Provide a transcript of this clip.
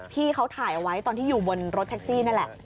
พี่เขาถ่ายเอาไว้ตอนที่อยู่บนรถแท็กซี่นั่นแหละ